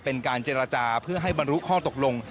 เป็นการเจรจาเพื่อให้บรรลุข้อตกลง